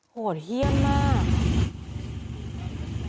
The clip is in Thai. โหดเยี่ยมมาก